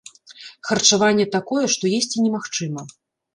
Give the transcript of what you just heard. Харчаванне такое, што есці немагчыма.